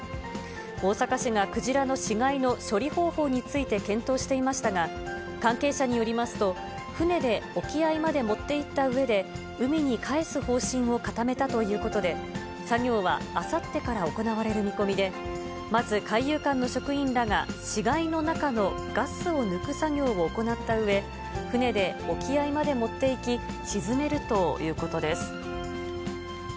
大阪市がクジラの死骸の処理方法について検討していましたが、関係者によりますと、船で沖合まで持っていったうえで、海に帰す方針を固めたということで、作業はあさってから行われる見込みで、まず海遊館の職員らが、死骸の中のガスを抜く作業を行ったうえ、船で沖合まで持っていき、沈めるということです。